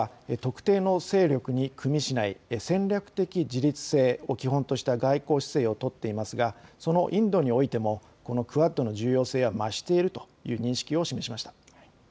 インドは特定の勢力にくみしない戦略的自立性を基本とした外交姿勢を取っていますがそのインドにおいてもこのクアッドの重要性は増しているという認識を示しました。